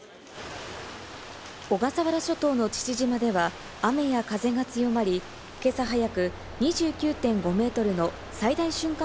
小笠原諸島の父島では雨や風が強まり、今朝早く２９．５ｍの最大瞬間